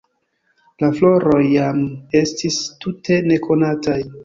La floroj jam estis tute nekonataj.